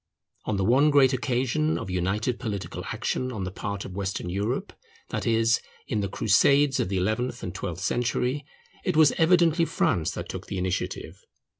On the one great occasion of united political action on the part of Western Europe, that is, in the crusades of the eleventh and twelfth century, it was evidently France that took the initiative.